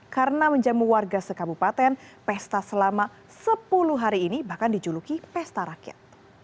karena menjamu warga sekabupaten pesta selama sepuluh hari ini bahkan dijuluki pesta rakyat